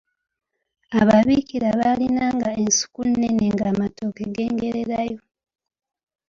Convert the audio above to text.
Ababiikira baalinanga ensuku ennene ng’amatooke gengererayo.